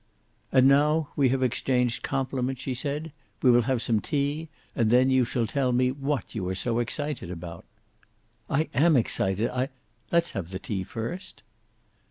"And now we have exchanged compliments," she said, "we will have some tea, and then you shall tell me what you are so excited about." "I am excited; I " "Let's have the tea first."